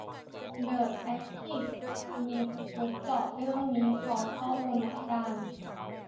เดอะแอคทีฟมีสกู๊ปเจาะเรื่องนี้ พร้อมข้อมูลหลายด้าน